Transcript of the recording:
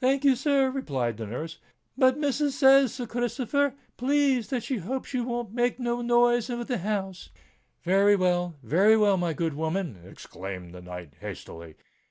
"Thank'ee, sir," replied the nurse; "but missus says, Sir Christopher, please, that she hopes you won't make no noise in the house." "Very well—very well, my good woman!" exclaimed the knight hastily.